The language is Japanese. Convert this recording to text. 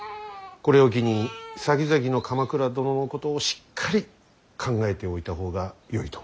これを機にさきざきの鎌倉殿のことをしっかり考えておいた方がよいと思うのだ。